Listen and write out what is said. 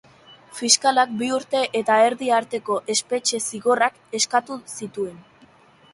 Fiskalak bi urte eta erdi arteko espetxe zigorrak eskatu zituen.